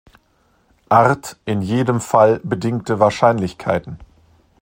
Art in jedem Fall bedingte Wahrscheinlichkeiten.